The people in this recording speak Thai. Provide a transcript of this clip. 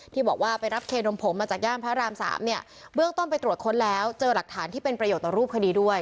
ที่บอกว่าไปรับเคนมผงมาจากย่านพระรามสามเนี่ยเบื้องต้นไปตรวจค้นแล้วเจอหลักฐานที่เป็นประโยชน์ต่อรูปคดีด้วย